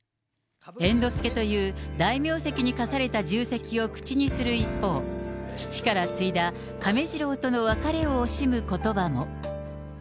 猿之助という大名跡に課された重責を口にする一方、父から継いだ亀治郎との別れを惜しむことばも。